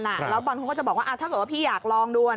แล้วบอลเขาก็จะบอกว่าถ้าเกิดว่าพี่อยากลองดู